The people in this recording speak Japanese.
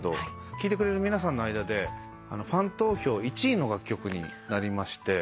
聴いてくれる皆さんの間でファン投票１位の楽曲になりまして。